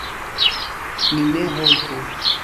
Ni ne hontu!